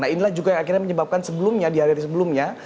nah inilah juga yang akhirnya menyebabkan sebelumnya di hari hari sebelumnya